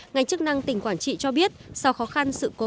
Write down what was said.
ngành chức năng tỉnh quảng trị cho biết sau khó khăn sự cố